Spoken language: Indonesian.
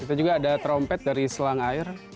kita juga ada trompet dari selang air